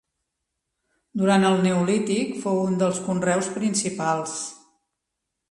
Durant el neolític fou un dels conreus principals.